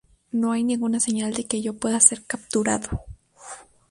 No hay ninguna señal de que yo pueda ser capturado...